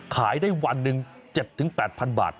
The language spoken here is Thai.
ขายได้วันหนึ่ง๗๘๐๐๐บาท